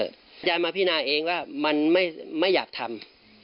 อาจารย์มาพินาเองว่ามันไม่อยากทำ